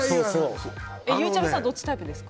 ゆうちゃみさんはどっちタイプですか？